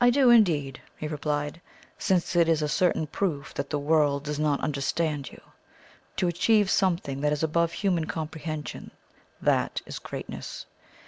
"I do indeed," he replied, "since it is a certain proof that the world does not understand you. To achieve something that is above human comprehension, THAT is greatness.